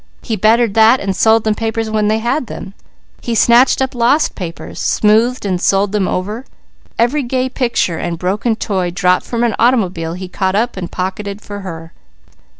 He bettered that and sold them papers when they had them. He snatched up lost papers, smoothed and sold them over. Every gay picture or broken toy dropped from an automobile he caught up and pocketed for her.